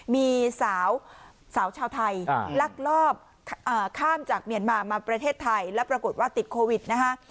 มีสาวชาวไทยลักลอบข้ามจากเมียนมามาประเทศไทยแล้วปรากฏว่าติดโควิดนะคะ